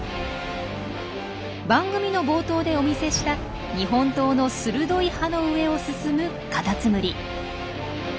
番組の冒頭でお見せした日本刀の鋭い刃の上を進むカタツムリ。